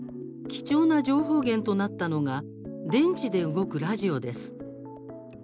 貴重な情報源となったのが電池で動くラジオです。